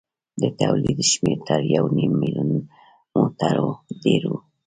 د تولید شمېر تر یو نیم میلیون موټرو ډېر و.